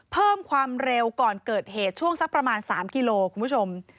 เพิ่มความเร็วก่อนเกิดเหตุช่วงสักประมาณ๓กิโลคุณผู้ชม